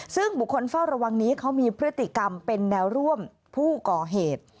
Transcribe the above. ซึ่งบุคคลเฝ้าระวังนี้เขามีพฤติกรรมเป็นแนวร่วมผู้ก่อเหตุ